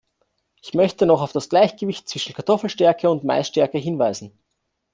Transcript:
Ich möchte noch auf das Gleichgewicht zwischen Kartoffelstärke und Maisstärke hinweisen.